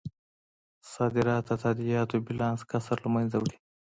صادرات د تادیاتو بیلانس کسر له مینځه وړي.